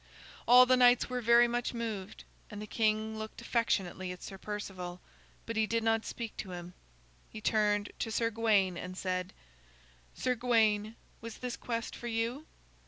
All the knights were very much moved and the king looked affectionately at Sir Perceval, but he did not speak to him. He turned to Sir Gawain and said: "Sir Gawain, was this quest for you?"